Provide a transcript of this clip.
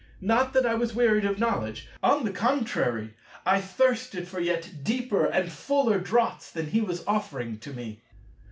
Not that I was wearied of knowledge. On the contrary, I thirsted for yet deeper and fuller draughts than he was offering to me.